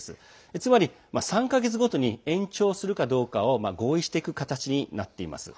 つまり、３か月ごとに延長するかどうかを合意していく形になっています。